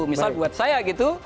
misal buat saya gitu